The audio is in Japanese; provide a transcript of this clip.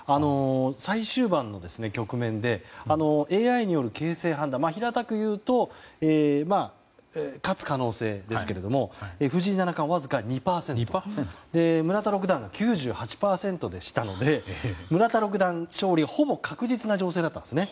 最終盤の局面でＡＩによる形勢判断では平たく言うと勝つ可能性ですけれども藤井七冠は、わずか２％村田六段が９８％でしたので村田六段勝利がほぼ確実な情勢だったんですね。